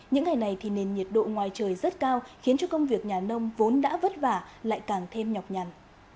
những ngày này thì nền nhiệt độ ngoài trời rất cao khiến cho công việc nhà nông vốn đã vất vả lại càng thêm nhọc nhằn